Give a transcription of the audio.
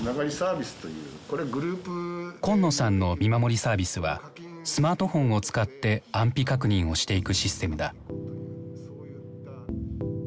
紺野さんの見守りサービスはスマートフォンを使って安否確認をしていくシステムだ。